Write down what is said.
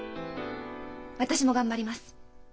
私も頑張ります。